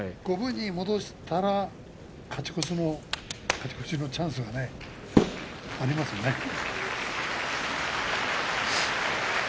五分に戻したら勝ち越しのチャンスがありますよね。